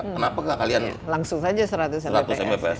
kenapa kalian langsung saja seratus mps